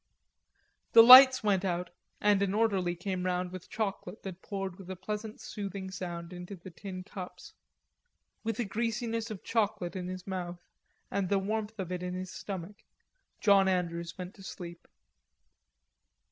The lights went out, and an orderly came round with chocolate that poured with a pleasant soothing sound into the tin cups. With a greasiness of chocolate in his mouth and the warmth of it in his stomach, John Andrews went to sleep.